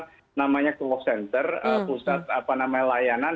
yang semacam namanya kewok center pusat apa namanya layanan